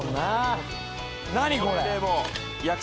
何これ？